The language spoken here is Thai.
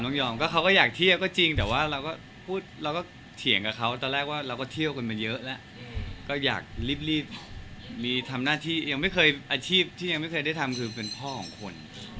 ได้ทำอะทำงานที่ยังไม่เคยชีพที่ยังไม่ได้ทำก็คือเป็นพ่อของคน